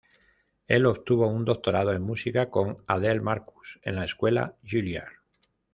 El obtuvo un Doctorado en Música con Adele Marcus en la Escuela Juilliard.